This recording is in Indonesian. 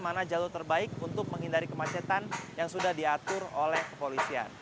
mana jalur terbaik untuk menghindari kemacetan yang sudah diatur oleh kepolisian